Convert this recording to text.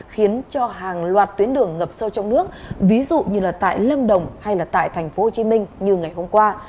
khiến cho hàng loạt tuyến đường ngập sâu trong nước ví dụ như là tại lâm đồng hay là tại tp hcm như ngày hôm qua